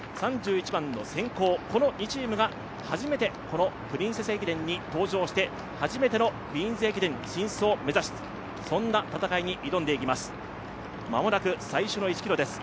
３１番のセンコー、この２チームがこのプリンセス駅伝に登場して初めてのクイーンズ駅伝進出を目指す、そんな戦いに挑んでいきます間もなく、最初の１ｋｍです